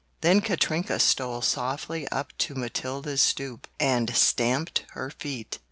Then Katrinka stole softly up to Matilda's stoop and stamped her feet.